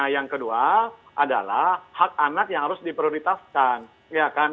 yang kedua adalah hak anak yang harus diprioritaskan